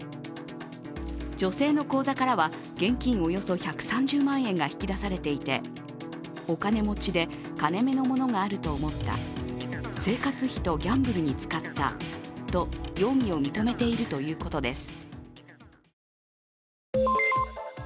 女性の口座からは現金およそ１３０万円が引き出されていてお金持ちで金目のものがあると思った生活費とギャンブルに使ったと容疑を認めているということです。